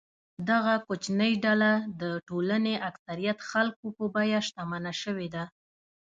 دغه کوچنۍ ډله د ټولنې اکثریت خلکو په بیه شتمنه شوې ده.